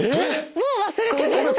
もう忘れてました。